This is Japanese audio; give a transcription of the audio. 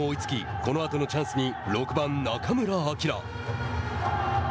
このあとのチャンスに６番中村晃。